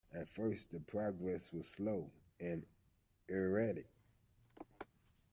At first his progress was slow and erratic.